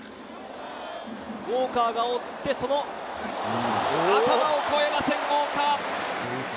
ウォーカーが追って、その頭を越えません、ウォーカー。